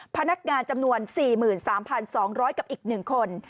พนักงานจำนวน๔๓๒๐๐กับอีก๑คน